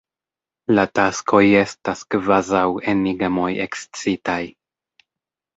La taskoj estas kvazaŭ enigmoj ekscitaj.